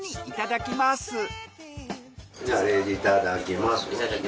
いただきます。